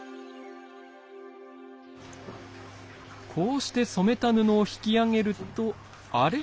こうして染めた布を引き上げるとあれ？